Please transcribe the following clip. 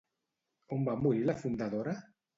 On va morir la fundadora?